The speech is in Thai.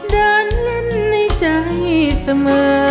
เดินเล่นในใจเสมอ